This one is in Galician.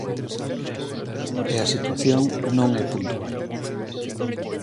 E a situación non é puntual.